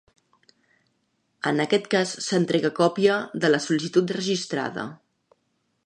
En aquest cas s'entrega còpia de la sol·licitud registrada.